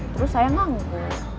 terus saya nganggur